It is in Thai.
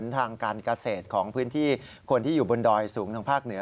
ทางการเกษตรของพื้นที่คนที่อยู่บนดอยสูงทางภาคเหนือ